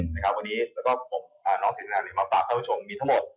วันนี้แล้วก็ผมน้องสิทธินามาปรับให้ผู้ชมมีทั้งหมด